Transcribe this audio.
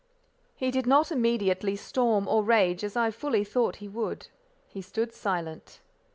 He did not immediately storm or rage, as I fully thought he would he stood silent.